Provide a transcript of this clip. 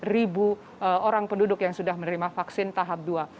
dua puluh ribu orang penduduk yang sudah menerima vaksin tahap dua